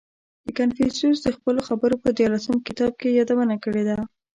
• کنفوسیوس د خپلو خبرو په دیارلسم کتاب کې یې یادونه کړې ده.